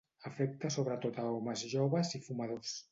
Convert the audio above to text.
Afecta sobretot a homes joves i fumadors.